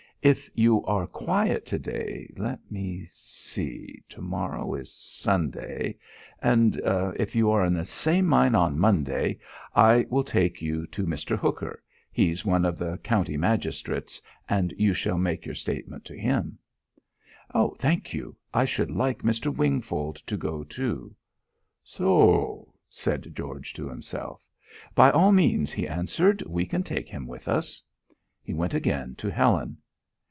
If you are quiet to day let me see to morrow is Sunday and if you are in the same mind on Monday, I will take you to Mr. Hooker he's one of the county magistrates, and you shall make your statement to him." "Thank you. I should like Mr. Wingfold to go too." "Soh!" said George to himself. "By all means," he answered. "We can take him with us." He went again to Helen.